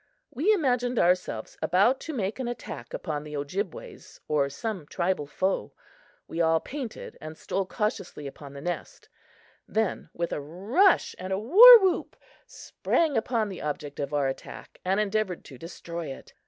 We imagined ourselves about to make an attack upon the Ojibways or some tribal foe. We all painted and stole cautiously upon the nest; then, with a rush and warwhoop, sprang upon the object of our attack and endeavored to destroy it.